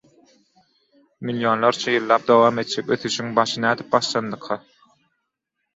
Millionlarça ýyllap dowam etjek ösüşiň başy nädip başlandyka?